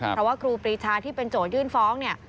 เพราะว่าครูปรีชาที่เป็นโจทยื่นฟ้องเนี่ย